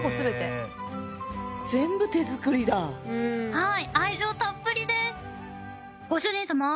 はい。